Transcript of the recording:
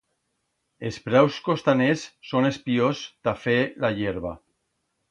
Es praus costaners son es piors ta fer la hierba.